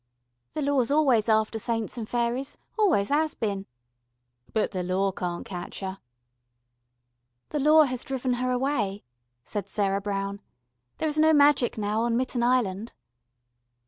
"The law's always after saints and fairies, always 'as bin." "But the law can't catch 'er." "The law has driven her away," said Sarah Brown. "There is no magic now on Mitten Island."